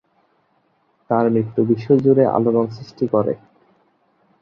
তার মৃত্যু বিশ্বজুড়ে আলোড়ন সৃষ্টি করে।